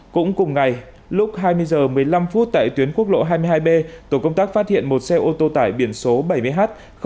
cũng cùng ngày lúc hai mươi h một mươi năm phút tại tuyến quốc lộ hai mươi hai b tổ công tác phát hiện một xe ô tô tải biển số bảy mươi h bốn nghìn ba mươi bốn